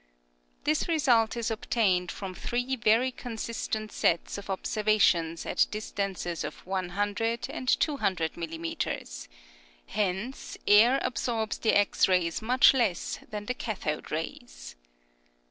This result is obtained from three very con sistent sets of observations at distances of 100 and 200 mm.; hence air absorbs the X rays much less than the cathode rays.